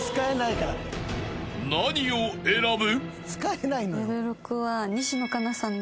［何を選ぶ？］